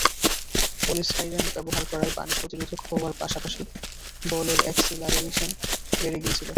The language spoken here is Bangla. পলিস্টাইরেন ব্যবহার করায় পানি প্রতিরোধক হওয়ার পাশাপাশি বলের একসেলারেশন বেড়ে গিয়েছিল।